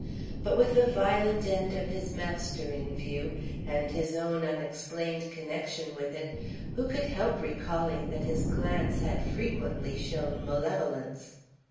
But with the violent end of his master in view, and his own unexplained connection with it, who could help recalling that his glance had frequently shown malevolence?